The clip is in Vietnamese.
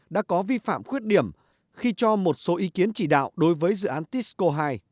đã có vi phạm khuyết điểm khi cho một số ý kiến chỉ đạo đối với dự án tisco hai